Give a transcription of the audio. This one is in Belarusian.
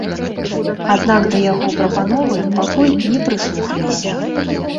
Аднак да яго прапановы пакуль не прыслухаліся.